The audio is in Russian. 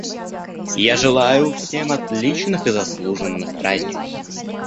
Я желаю всем отличных и заслуженных праздников.